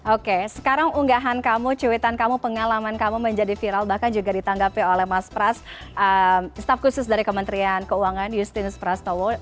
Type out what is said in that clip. oke sekarang unggahan kamu cuitan kamu pengalaman kamu menjadi viral bahkan juga ditanggapi oleh mas pras staff khusus dari kementerian keuangan justinus prastowo